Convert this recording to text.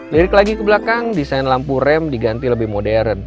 lirik lagi ke belakang desain lampu rem diganti lebih modern